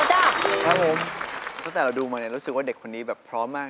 ครับผมตั้งแต่เราดูมาเนี่ยรู้สึกว่าเด็กคนนี้แบบพร้อมมาก